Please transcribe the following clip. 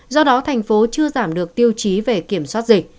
do đó thành phố chưa giảm được tiêu chí về kiểm soát dịch